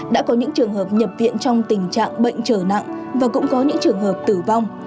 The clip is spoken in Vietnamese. đã có những trường hợp nhập viện trong tình trạng bệnh trở nặng và cũng có những trường hợp tử vong